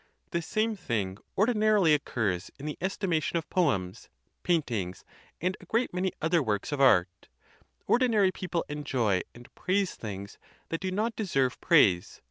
This same thing ordinarily occurs in the estimation of poems, paintings, and a great many other works of art: ordinary people enjoy and praise things that do not deserve praise.